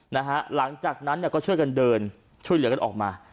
หลังจากนั้นเนี่ยก็ช่วยกันเดินช่วยเหลือกันออกมา